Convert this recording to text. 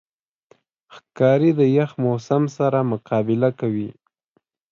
ښکاري د یخ موسم سره مقابله کوي.